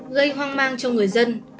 gây hoang mang cho người dân